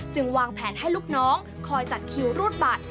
วางแผนให้ลูกน้องคอยจัดคิวรูดบัตร